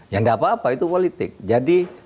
ya nggak apa apa itu politik jadi